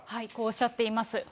こうおっしゃっています。